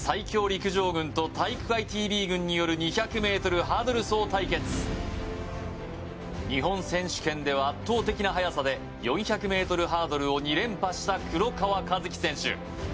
陸上軍と体育会ＴＶ軍による２００ｍハードル走対決日本選手権では圧倒的な速さで４００ｍハードルを２連覇した黒川和樹選手